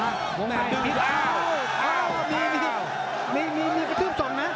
อ้าวอ้าวมีมีมีมีกระทืบส่งนะ